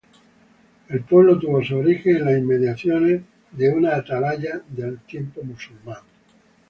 El pueblo tuvo su origen en las inmediaciones de una atalaya del tiempo musulmán.